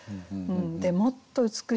もっと美しいもの